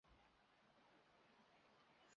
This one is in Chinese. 但最具中亚特征的地形无疑是稀树草原。